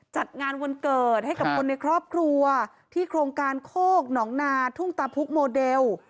จัดงานวันเกิดให้กับคนในครอบครัวที่โครงการโคกหนองนาทุ่งตาพุกโมเดล